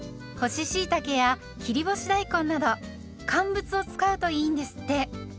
干ししいたけや切り干し大根など「乾物」を使うといいんですって。